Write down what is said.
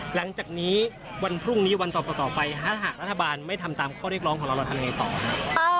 หลังจากนี้วันพรุ่งนี้วันต่อไปถ้าหากรัฐบาลไม่ทำตามข้อเรียกร้องของเราเราทำไงต่อครับ